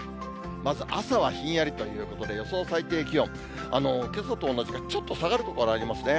まず朝はひんやりということで、予想最低気温、けさと同じかちょっと下がる所もありますね。